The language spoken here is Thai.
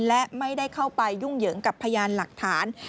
และไม่ได้เข้าไปยุ่งเหยิงกับพยานหลักฐาน